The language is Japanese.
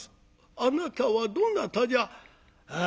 あなたはどなたじゃ？」。